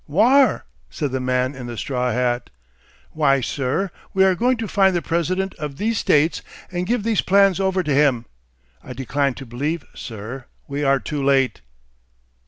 "Whar?" said the man in the straw hat. "Why, sir, we are going to find the President of these States and give these plans over to him. I decline to believe, sir, we are too late."